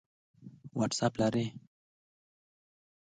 وټس اپ شمېره لرئ؟